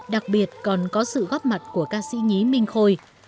đặc biệt còn có sự góp mặt của ca sĩ nhí minh khôi